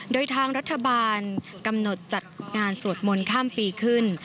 โดยทางรัฐบาลกำหนดจัดงานสวดมนต์ข้ามปีขึ้น